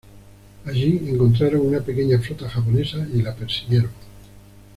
Allí encontraron una pequeña flota japonesa y la persiguieron.